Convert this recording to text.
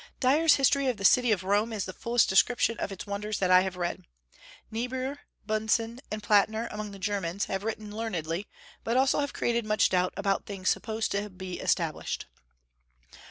Dyer's History of the City of Rome is the fullest description of its wonders that I have read. Niebuhr, Bunsen, and Platner, among the Germans, have written learnedly, but also have created much doubt about things supposed to be established.